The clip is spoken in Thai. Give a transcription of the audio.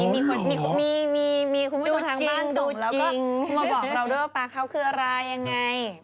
มีคุณผู้ชมทางบ้านส่งแล้วก็มาบอกเราด้วยว่าปลาเขาคืออะไรยังไง